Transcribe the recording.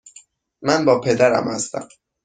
من با پدرم هستم.